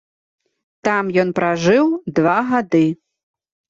Там ён пражыў два гады.